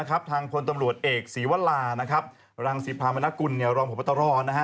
ทางพลตำรวจเอกศรีวรารังศรีพามณกุลรองผู้ประตะรอ